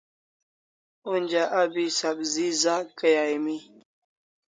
Onja abi sabzi za kay aimi